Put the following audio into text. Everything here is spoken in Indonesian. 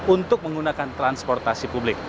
untuk menggunakan transportasi publik